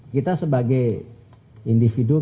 kita sebagai individu kita